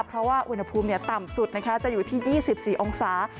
เพราะว่าอุณหภูมิต่ำสุดจะอยู่ที่๒๔องศา